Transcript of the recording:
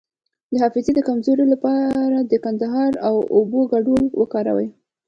د حافظې د کمزوری لپاره د کندر او اوبو ګډول وکاروئ